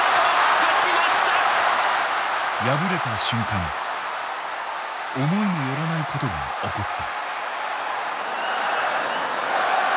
敗れた瞬間思いも寄らないことが起こった。